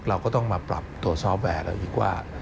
เราก็ต้องมาปรับตรวจสอบแวร์เราอีกว่า